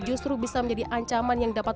justru bisa menjadi ancaman yang dapat